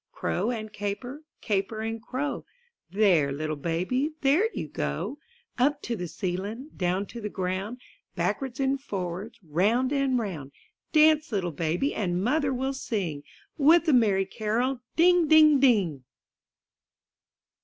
Crow and caper, caper and crow, There, little Baby, there you go! Up to the ceiling, down to the ground. Backwards and forwards, round and round, : )ance, little Baby, and Mother will sing With a merry carol, ding! ding! ding!